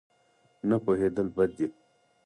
نه پوهېدل بد دی.